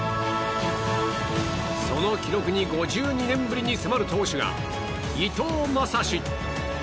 その記録に、５２年ぶりに迫る投手が伊藤将司。